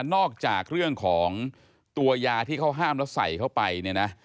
นอกจากเรื่องของตัวยาที่เขาห้ามแล้วใส่เข้าไปเนี่ยนะ